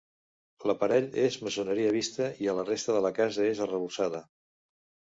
L'aparell és maçoneria vista i a la resta de la casa és arrebossada.